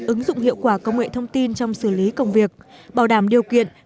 ứng dụng hiệu quả công nghệ thông tin trong xử lý công việc bảo đảm điều kiện